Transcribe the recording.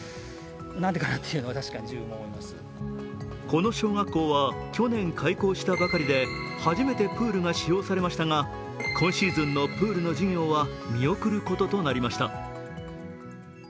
この小学校は去年開校したばかりで初めてプールが使用されましたが今シーズンのプールの授業は見送ることとなりました。